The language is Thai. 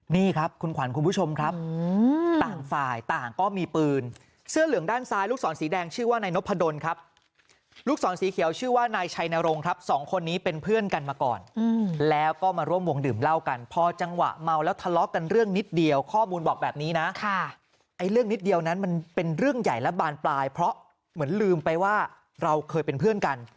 นี่ครับคุณขวัญคุณผู้ชมครับต่างฝ่ายต่างก็มีปืนเสื้อเหลืองด้านซ้ายลูกศรสีแดงชื่อว่านายนพดลครับลูกศรสีเขียวชื่อว่านายชัยนรงครับสองคนนี้เป็นเพื่อนกันมาก่อนแล้วก็มาร่วมวงดื่มเหล้ากันพอจังหวะเมาแล้วทะเลาะกันเรื่องนิดเดียวข้อมูลบอกแบบนี้นะไอ้เรื่องนิดเดียวนั้นมันเป็นเรื่องใหญ่และบานปลายเพราะเหมือนลืมไปว่าเราเคยเป็นเพื่อนกัน